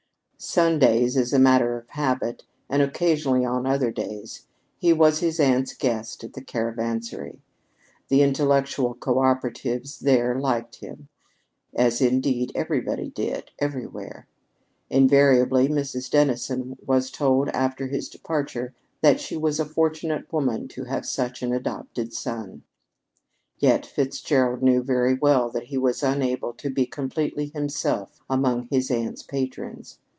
Sundays, as a matter of habit, and occasionally on other days, he was his aunt's guest at the Caravansary. The intellectual coöperatives there liked him, as indeed everybody did, everywhere. Invariably Mrs. Dennison was told after his departure that she was a fortunate woman to have such an adopted son. Yet Fitzgerald knew very well that he was unable to be completely himself among his aunt's patrons.